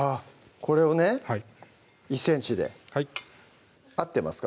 これをね１ｃｍではい合ってますか？